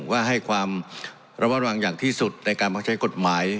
ว่าให้ความระวังอย่างที่สุดในการมาใช้กฎหมาย